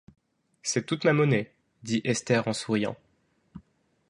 C’est toute ma monnaie, dit Esther en souriant.